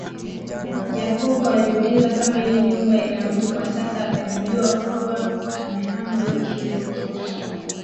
Jacob aliuliza kama ile nyumba ina mtu kwa sasa akajibiwa kuwa amehama wiki iliyopita